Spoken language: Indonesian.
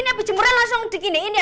ini abis jemuran langsung diginiin ya